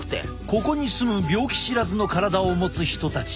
ここに住む病気知らずの体を持つ人たち。